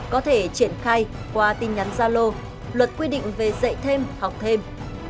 có thể triển khai qua tin nhắn gia lô luật quy định về dạy thêm học thêm